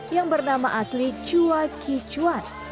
yang bernama asli chua kichuan